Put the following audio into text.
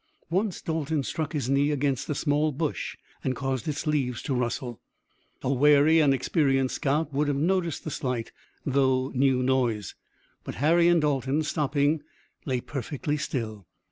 Once Dalton struck his knee against a small bush and caused its leaves to rustle. A wary and experienced scout would have noticed the slight, though new noise, and Harry and Dalton, stopping, lay perfectly still.